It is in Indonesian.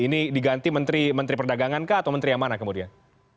ini diganti menteri perdagangan kah atau menteri yang mana kemudian